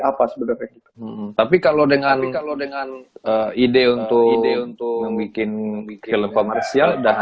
apa sebenarnya gitu tapi kalau dengan kalau dengan ide untuk ide untuk bikin film komersial